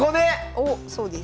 おっそうです。